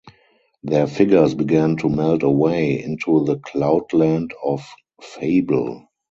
Their figures began to melt away into the cloudland of fable.